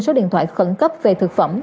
số điện thoại khẩn cấp về thực phẩm